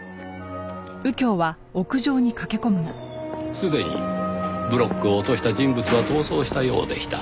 すでにブロックを落とした人物は逃走したようでした。